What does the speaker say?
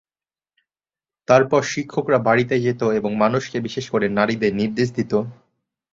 তারপর শিক্ষকরা বাড়িতে যেত এবং মানুষকে, বিশেষ করে নারীদের নির্দেশ দিত।